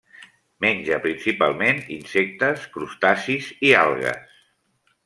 Menja principalment insectes, crustacis i algues.